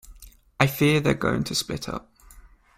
I fear they're going to split up.